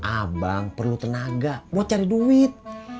abang perlu tenaga mau cari duit